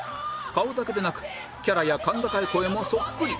顔だけでなくキャラや甲高い声もそっくり